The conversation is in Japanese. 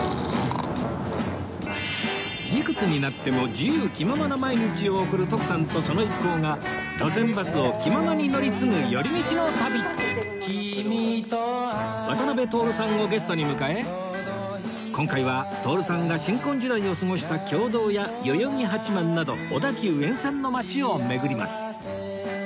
いくつになっても自由気ままな毎日を送る徳さんとその一行が路線バスを気ままに乗り継ぐ寄り道の旅渡辺徹さんをゲストに迎え今回は徹さんが新婚時代を過ごした経堂や代々木八幡など小田急沿線の町を巡ります